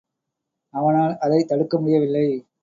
அவனால் அதைத் தடுக்க முடியவில்லை.